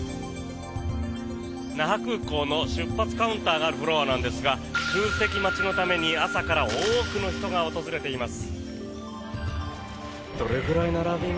那覇空港の出発カウンターがあるフロアなんですが空席待ちのために朝から多くの人が訪れています。